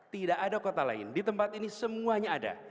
tidak ada kota lain di tempat ini semuanya ada